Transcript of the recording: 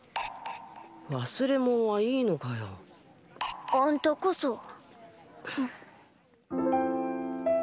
忘れもんはいいのかよ。あんたこそ。